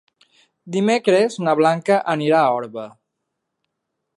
Dimecres na Blanca anirà a Orba.